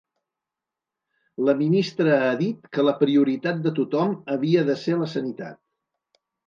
La ministra ha dit que la prioritat de tothom havia de ser la sanitat.